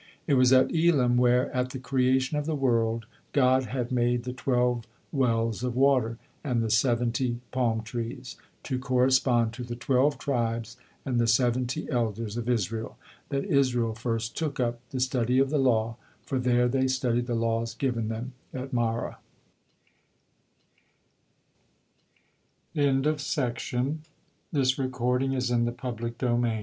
It was at Elim, where, at the creation of the world, God had made the twelve wells of water, and the seventy palm trees, to correspond to the twelve tribes and the seventy elders of Israel, that Israel first took up the study of the law, for there they studied the laws given them at Marah. THE HEAV